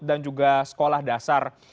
dan juga sekolah dasar